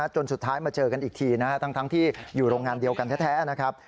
จนสุดท้ายมาเจอกันอีกทีทั้งที่อยู่โรงงานเดียวกันแท้นะครับ